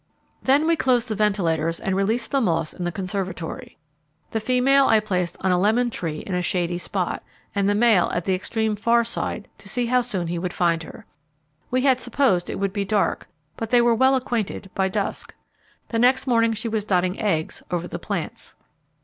Then we closed the ventilators and released the moths in the conservatory. The female I placed on a lemon tree in a shady spot, and the male at the extreme far side to see how soon he would find her. We had supposed it would be dark, but they were well acquainted by dusk. The next morning she was dotting eggs over the plants.